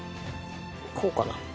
こうかな？